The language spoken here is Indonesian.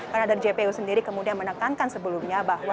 karena dari jpu sendiri kemudian menekankan sebelumnya bahwa